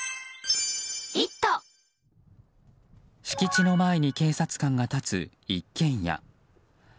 敷地の前に警察官が立つ一軒家。